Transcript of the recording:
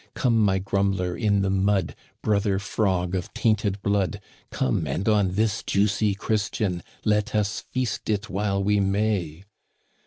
Come my Grumbler in the mud, Brother Frog of tainted blood ! Come, and on this juicy Christian Let us feast it while we may